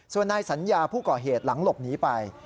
ส่วนนายสัญญาผู้ก่อเหตุหลังหลบหนีไป